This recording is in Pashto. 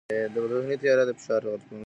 ذهني تیاری د فشار غبرګون ښه کوي.